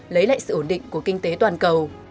lấy lại sự ổn định của kinh tế toàn cầu